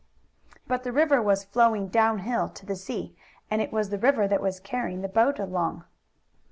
But the river was flowing down hill to the sea and it was the river that was carrying the boat along.